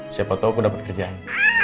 siapa tahu aku dapat kerjaan